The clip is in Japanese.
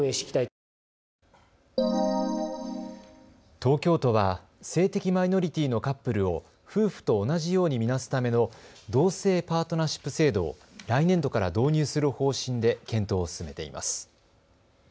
東京都は性的マイノリティーのカップルを夫婦と同じように見なすための同性パートナーシップ制度を来年度から導入する方針で検討を進めています。